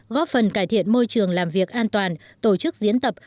góp phần cải thiện môi trường làm việc an toàn tổ chức diễn tập